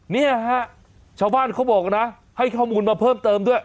เนี่ยฮะชาวบ้านเขาบอกนะให้ข้อมูลมาเพิ่มเติมด้วย